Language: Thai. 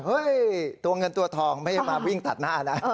ตัวเงินตัวทองไม่ใช่มาวิ่งตัดหน้านะ